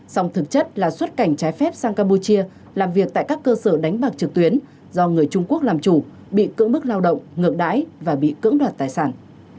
song thực chất là xuất cảnh trái phép sang campuchia làm việc tại các cơ sở đánh bạc trực tuyến do người trung quốc làm chủ bị cưỡng bức lao động ngược đáy và bị cưỡng đoạt tài sản